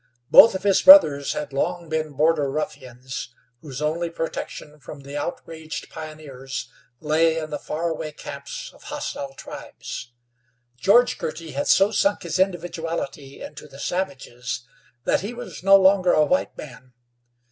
Both of his brothers had long been border ruffians, whose only protection from the outraged pioneers lay in the faraway camps of hostile tribes. George Girty had so sunk his individuality into the savage's that he was no longer a white man.